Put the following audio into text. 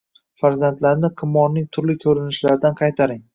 Farzandlarni qimorning turli ko‘rinishlaridan qaytaring.